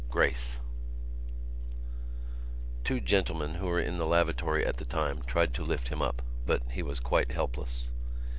GRACE Two gentlemen who were in the lavatory at the time tried to lift him up: but he was quite helpless.